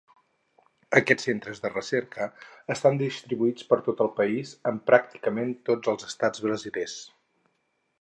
Aquests centres de recerca estan distribuïts per tot el país en pràcticament tots els estats brasilers.